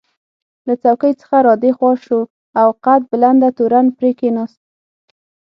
له څوکۍ څخه را دې خوا شو او قد بلنده تورن پرې کېناست.